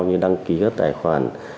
như đăng ký các tài khoản